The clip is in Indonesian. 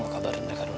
gak kabar mereka adanya